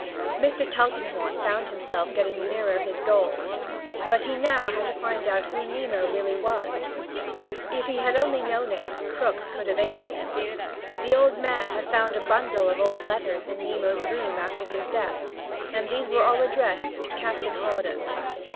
Mr. Tulkinghorn felt himself getting nearer to his goal. But he now had to find out who Nemo really had been. If he had only known it, Krook could have aided him. The old man had found a bundle of old letters in Nemo's room after his death, and these were all addressed to "Captain Hawdon."